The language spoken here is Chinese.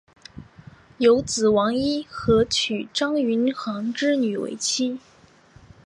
有子王尹和娶张云航之女为妻。